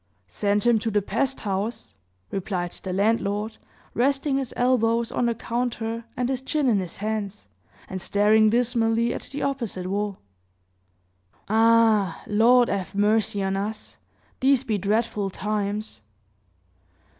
"Sent him to the pest house," replied the landlord, resting his elbows on the counter and his chin in his hands, and staring dismally at the opposite wall. "Ah! Lord 'a' mercy on us! These be dreadful times!"